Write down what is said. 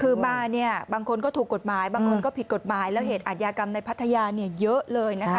คือมาเนี่ยบางคนก็ถูกกฎหมายบางคนก็ผิดกฎหมายแล้วเหตุอาทยากรรมในพัทยาเนี่ยเยอะเลยนะคะ